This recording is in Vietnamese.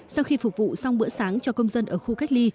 sau khi phục vụ xong bữa sáng cho công dân ở khu cách ly